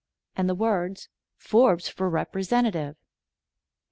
and the words: "FORBES FOR REPRESENTATIVE."